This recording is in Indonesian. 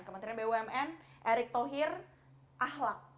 kementerian bumn erick thohir ahlak